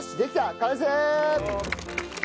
完成！